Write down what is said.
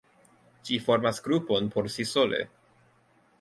Ĝi formas grupon por si sole.